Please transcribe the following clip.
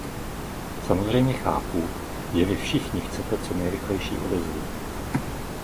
Samozřejmě chápu, že vy všichni chcete co nejrychlejší odezvu.